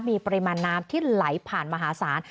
มีปริมาณน้ำที่ไหลผ่านมหาศาล